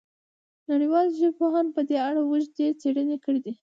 نړیوالو ژبپوهانو په دې اړه اوږدې څېړنې کړې دي.